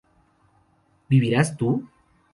¿vivirás tú?